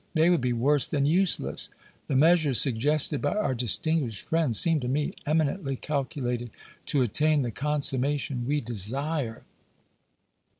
They would be worse than useless. The measures suggested by our distinguished friend seem to me eminently calculated to attain the consummation we desire."